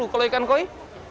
kalau ikan koi